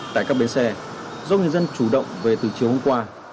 tại các bến xe do người dân chủ động về từ chiều hôm qua